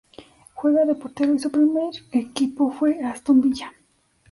Juega de portero y su primer equipo fue Aston Villa.